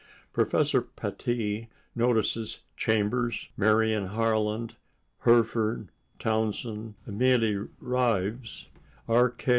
Prof. Pattee notices Chambers, Marion Harland, Herford, Townsend, Amélie Rives, R.